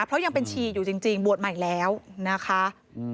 เพราะยังเป็นชีอยู่จริงบวชใหม่แล้วนะคะ